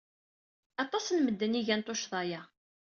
Aṭas n medden ay igan tuccḍa-a.